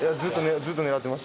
ずっと狙ってました。